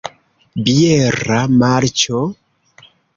Biera marĉo?